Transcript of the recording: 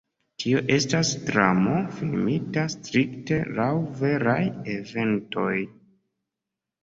Tio estas dramo, filmita strikte laŭ veraj eventoj.